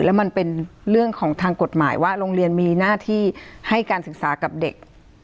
แล้วมันเป็นเรื่องของทางกฎหมายว่าโรงเรียนมีหน้าที่ให้การศึกษากับเด็ก